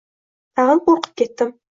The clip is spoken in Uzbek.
Tag‘in qo‘rqib ketdim.